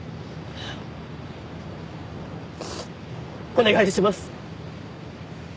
お願いします！